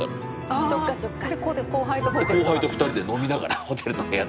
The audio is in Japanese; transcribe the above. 後輩と２人で飲みながらホテルの部屋で。